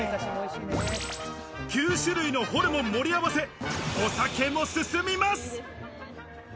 ９種類のホルモン盛り合わせ、お酒も進みます。